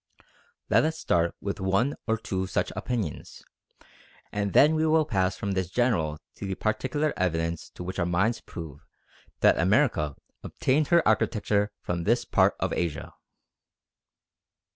Let us start with one or two such opinions, and then we will pass from this general to the particular evidence which to our minds proves that America obtained her architecture from this part of Asia.